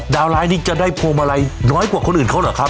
เดาร้านี่จะได้โพมอะไรน้อยกว่าคนอื่นเขาหรือครับ